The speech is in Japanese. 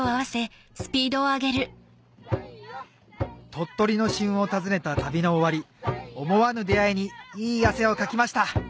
鳥取の旬を訪ねた旅の終わり思わぬ出会いにいい汗をかきました！